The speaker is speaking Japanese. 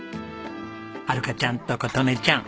遥香ちゃんと琴音ちゃん